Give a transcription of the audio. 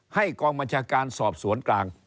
ให้กองมัชการสอบสวนกลาง